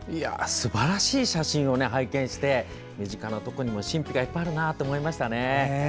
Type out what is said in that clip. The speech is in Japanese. すばらしい写真を拝見して、身近なところにも神秘がいっぱいあるなと思いましたね。